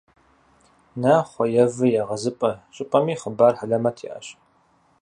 «Нахъуэ и вы егъэзыпӏэ» щӏыпӏэми хъыбар хьэлэмэт иӏэщ.